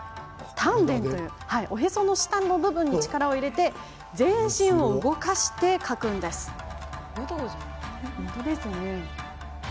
丹田というおへその下の部分に力を入れて全身を動かして書くんだそうです。